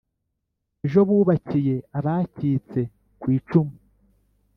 ejo bubakiye abacyitse kwicumu